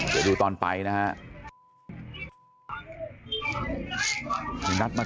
เดี๋ยวดูตอนไปนะครับ